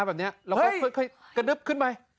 แล้วคืนไป